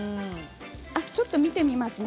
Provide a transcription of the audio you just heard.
ちょっと見てみますね。